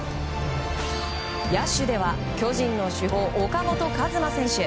野手では巨人の主砲・岡本和真選手。